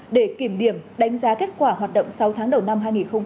để kiểm điểm đánh giá kết quả hoạt động sáu tháng đầu năm hai nghìn một mươi chín